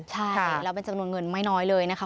ใช่แล้วเป็นจำนวนเงินไม่น้อยเลยนะคะ